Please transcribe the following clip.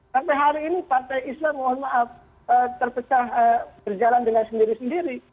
sampai hari ini partai islam mohon maaf terpecah berjalan dengan sendiri sendiri